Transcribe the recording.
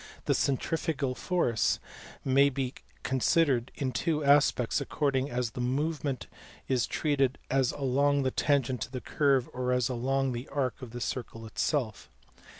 ... The centrifugal force may be considered in two aspects according as the movement is treated as along the tangent to the curve or as along the arc of the circle itself."